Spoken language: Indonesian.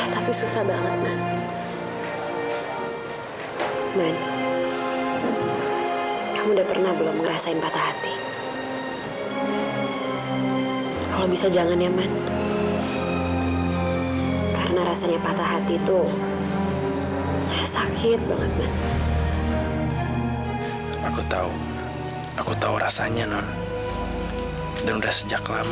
tuhan pasti akan berhasil yang terbaik buat non ini man